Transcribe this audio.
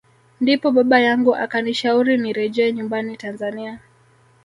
Ndipo baba yangu akanishauri nirejee nyumbani Tanzania